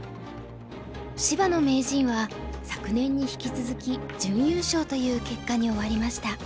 芝野名人は昨年に引き続き準優勝という結果に終わりました。